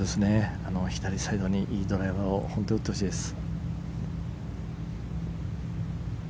左サイドにいいドライバーを打ってほしいです。